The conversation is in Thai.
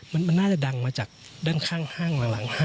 มันน่าจะดังมาจากด้านข้างห้างหลังห้าง